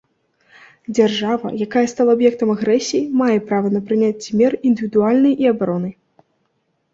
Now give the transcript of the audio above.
Дзяржава, якая стала аб'ектам агрэсіі, мае права на прыняцце мер індывідуальнай і абароны.